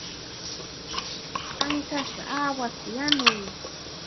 Ankashqa aawasta yanuy.